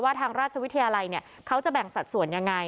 ทางราชวิทยาลัยเขาจะแบ่งสัดส่วนยังไง